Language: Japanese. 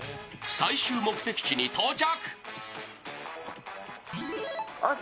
最終目的地に到着。